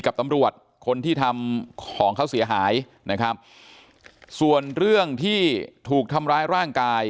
กับตำรวจคนที่ทำของเขาเสียหายนะครับส่วนเรื่องที่ถูกทำร้ายร่างกาย